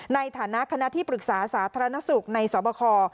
ในฐานะคณะที่ปรึกษาสาธารณสุขในสวบค